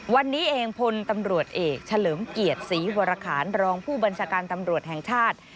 วันนี้เองพลตำรวจเอกเฉลิมเกียรติศรีวรคารรองผู้บัญชาการตำรวจแห่งชาติ